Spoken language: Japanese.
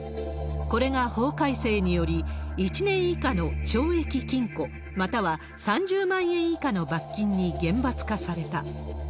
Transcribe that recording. これが法改正により、１年以下の懲役・禁錮、または３０万円以下の罰金に厳罰化された。